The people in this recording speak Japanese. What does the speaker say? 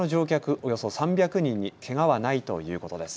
およそ３００人にけがはないということです。